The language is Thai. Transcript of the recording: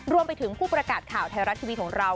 รวมไปถึงผู้ประกาศข่าวไทยรัฐทีวีของเรา